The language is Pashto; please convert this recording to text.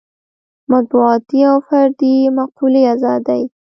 مطبوعاتي او فردي معقولې ازادۍ.